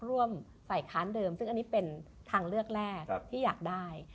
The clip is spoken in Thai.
ร่วมฝ่ายค้านเดิมซึ่งอันนี้เป็นทางเลือกแรกที่อยากได้